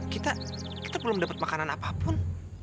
kita kita belum dapet makanan apapun